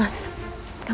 aku akan menanggung kamu